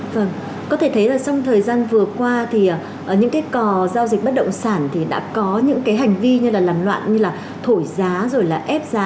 vâng có thể thấy là trong thời gian vừa qua thì những cái cò giao dịch bất động sản thì đã có những cái hành vi như là làm loạn như là thổi giá rồi là ép giá